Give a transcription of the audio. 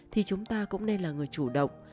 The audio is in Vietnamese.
thì chúng ta cũng nên là người chủ động